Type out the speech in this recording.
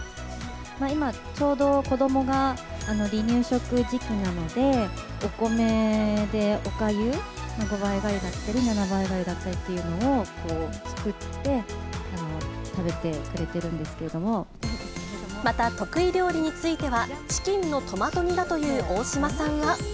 今ちょうど子どもが離乳食時期なので、お米でおかゆ、５倍がゆだったり、７倍がゆだったりっていうのを作って、食べてまた得意料理については、チキンのトマト煮だという大島さんは。